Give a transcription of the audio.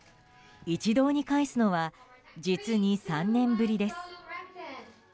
一堂に会すのは実に３年ぶりです。